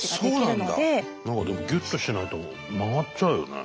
何かでもギュッとしないと曲がっちゃうよね？